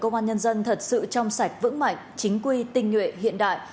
công an nhân dân thật sự trong sạch vững mạnh chính quy tinh nhuệ hiện đại